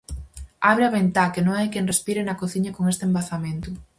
Abre a ventá, que non hai quen respire na cociña con este embazamento.